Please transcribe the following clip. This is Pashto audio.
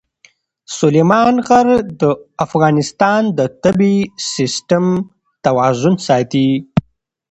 سلیمان غر د افغانستان د طبعي سیسټم توازن ساتي.